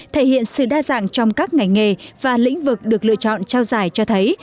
thể hiện sự đa dạng trong các ngành nghề và lĩnh vực được lựa chọn trao giải cho thấy